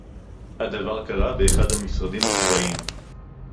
הַדָּבָר קָרָה בְּאַחַד הַמִּשְׂרָדִים הַצְּבָאִיִּים.